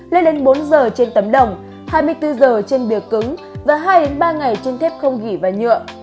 lên đến bốn giờ trên tấm đồng hai mươi bốn giờ trên bìa cứng và hai ba ngày trên thép không ghi và nhựa